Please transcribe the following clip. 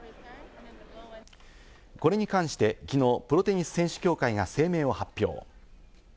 これに関して、きのうプロテニス選手協会が声明を発表。